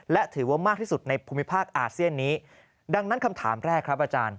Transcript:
และถือว่ามากที่สุดในภูมิภาคอาเซียนนี้ดังนั้นคำถามแรกครับอาจารย์